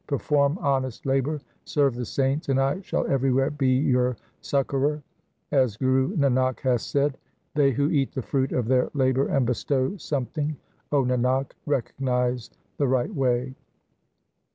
Perform honest labour, serve the saints, and I shall everywhere be your succourer. As Guru Nanak hath said :— They who eat the fruit of their labour and bestow some thing, O Nanak, recognize the right way.